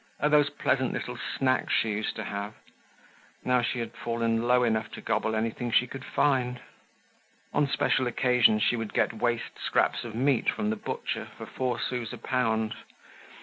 Oh, those pleasant little snacks she used to have. Now she had fallen low enough to gobble anything she could find. On special occasions, she would get waste scraps of meat from the butcher for four sous a pound.